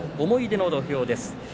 「思い出の土俵」です。